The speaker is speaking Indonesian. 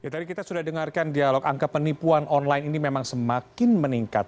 tadi kita sudah dengarkan dialog angka penipuan online ini memang semakin meningkat